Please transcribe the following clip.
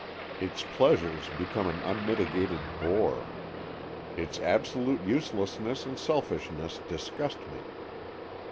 Its pleasures become an un mitigated bore. Its absolute uselessness and selfishness disgust me.